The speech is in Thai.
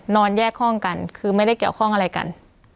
แยกห้องกันคือไม่ได้เกี่ยวข้องอะไรกัน